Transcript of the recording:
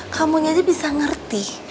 kamu aja bisa ngerti